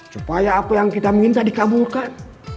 supaya apa yang kita minta dikabulkan